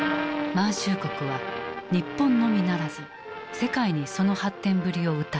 満州国は日本のみならず世界にその発展ぶりをうたった。